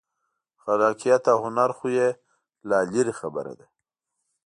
خلاقیت او هنر خو یې لا لرې خبره ده.